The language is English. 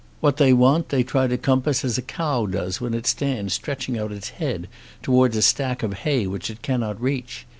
What they want they try to compass as a cow does when it stands stretching out its head towards a stack of hay which it cannot reach.